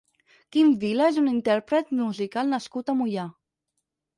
Quim Vila és un intérpret musical nascut a Moià.